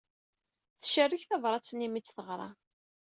Tcerreg tabrat-nni mi tt-teɣra.